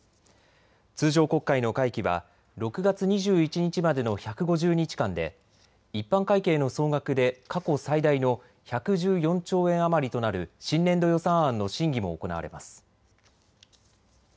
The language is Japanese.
通常国会の会期は６月２１日までの１５０日間で一般会計の総額で過去最大の１１４兆円余りとなる新年度予算案の審議も行われます。